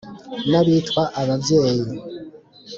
N'abitwa ababyeyi.